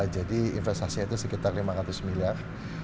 jadi investasi itu sekitar lima ratus miliar